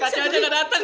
kacanya gak dateng